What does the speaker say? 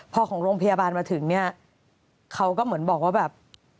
พอของโรงพยาบาลมาถึงเนี่ยเขาก็เหมือนบอกว่าแบบ